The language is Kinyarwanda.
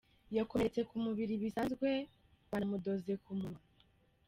Yakomeretse ku mubiri bisanzwe, banamudoze ku munwa.